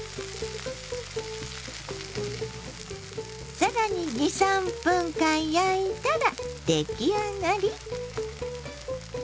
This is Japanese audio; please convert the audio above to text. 更に２３分間焼いたら出来上がり！